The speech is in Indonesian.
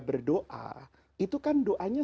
berdoa itu kan doanya